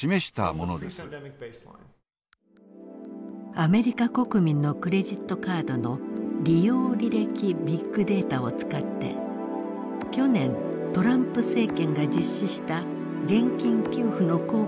アメリカ国民のクレジットカードの利用履歴ビッグデータを使って去年トランプ政権が実施した現金給付の効果を検証しました。